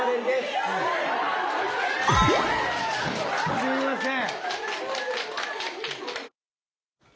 すいません。